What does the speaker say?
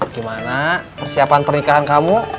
gimana persiapan pernikahan kamu